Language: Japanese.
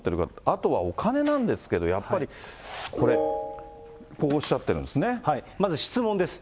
あとはお金なんですけれども、やっぱりこれ、こうおっしゃってるまず質問です。